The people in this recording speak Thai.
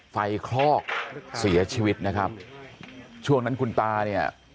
คลอกเสียชีวิตนะครับช่วงนั้นคุณตาเนี่ย